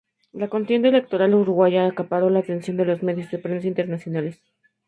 La contienda electoral uruguaya acaparó la atención de los medios de prensa internacionales.